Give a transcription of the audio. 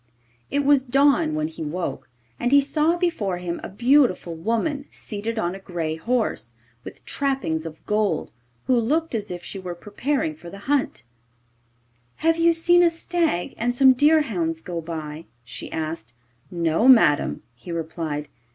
It was dawn when he woke, and he saw before him a beautiful woman seated on a grey horse, with trappings of gold, who looked as if she were preparing for the hunt. 'Have you seen a stag and some deerhounds go by?' she asked. 'No, madam,' he replied.